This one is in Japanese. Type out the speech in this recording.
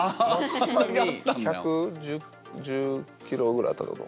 １１０ｋｇぐらいあったってこと。